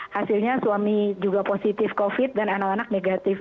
hasilnya suami juga positif covid dan anak anak negatif